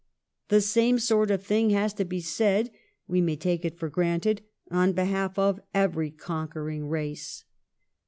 The same sort of thing has to be said, we may take it for granted, on behalf of every conquer ing race.